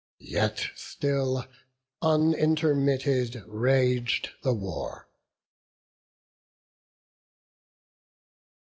Yet still, unintermitted, rag'd the war.